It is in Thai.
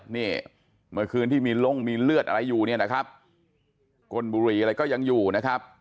นี่เมื่อคืนที่มีล่มมีเลือดอะไรอยู่เนี่ยนะครับก้นบุหรี่อะไรก็ยังอยู่นะครับ